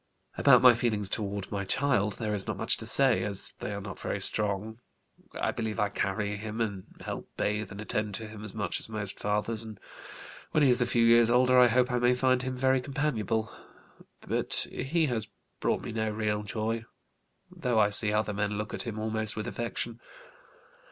"About my feelings toward my child there is not much to say, as they are not very strong. I believe I carry him and help bathe and attend to him as much as most fathers, and when he is a few years older I hope I may find him very companionable. But he has brought me no real joy, though I see other men look at him almost with affection.